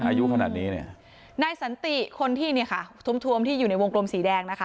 อายุขนาดนี้เนี่ยนายสันติคนที่เนี่ยค่ะทวมทวมที่อยู่ในวงกลมสีแดงนะคะ